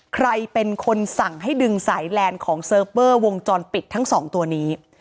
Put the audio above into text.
ใครเป็นคนสั่งให้ดึงสายแลนด์ของเซิร์ฟเวอร์วงจรปิดทั้งสองตัวนี้